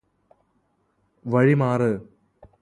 വഴി മാറ്